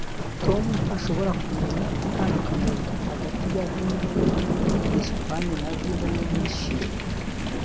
tom ntashobora kumenya itandukaniro riri hagati ya vino yo muri espagne na vino yo muri chili